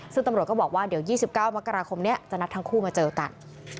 ซึ่งตำรวจก็บอกว่าเดี๋ยว๒๙มกราคมนี้จะนัดทั้งคู่มาเจอกัน